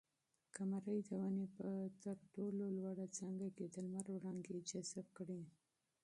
قمرۍ د ونې په تر ټولو لوړه څانګه کې د لمر وړانګې جذب کړې.